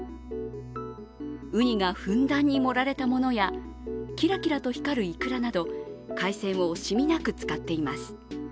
うにがふんだんに盛られたものやキラキラと光るいくらなど海鮮を惜しみなく使っています。